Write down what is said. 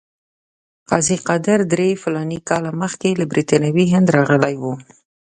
قاضي قادر درې فلاني کاله مخکې له برټانوي هند راغلی وو.